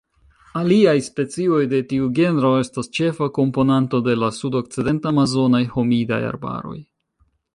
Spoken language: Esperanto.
Aliaj specioj de tiu genro estas ĉefa komponanto de la sudokcident-amazonaj humidaj arbaroj.